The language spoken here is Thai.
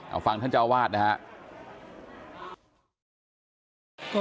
เอาฟังท่านเจ้าวาดนะครับ